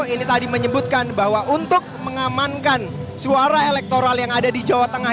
ini tadi menyebutkan bahwa untuk mengamankan suara elektoral yang ada di jawa tengah